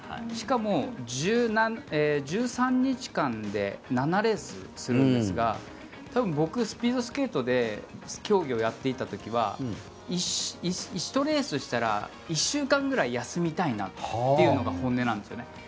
しかも、１３日間で７レースするんですが多分、僕、スピードスケートで競技をやっていた時は１レースしたら１週間ぐらい休みたいなというのが本音なんですよね。